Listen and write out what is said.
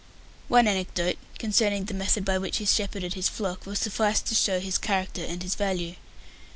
One anecdote concerning the method by which he shepherded his flock will suffice to show his character and his value.